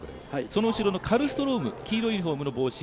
その後ろのカルストローム黄色いユニフォームの帽子